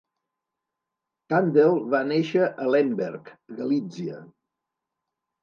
Kandel va néixer a Lemberg, Galítsia.